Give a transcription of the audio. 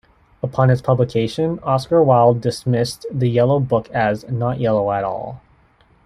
Upon its publication, Oscar Wilde dismissed "The Yellow Book" as "not yellow at all".